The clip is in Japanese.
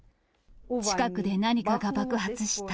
近くで何かが爆発した。